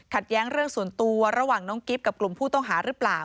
แย้งเรื่องส่วนตัวระหว่างน้องกิ๊บกับกลุ่มผู้ต้องหาหรือเปล่า